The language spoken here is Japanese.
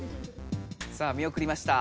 さあ見おくりました。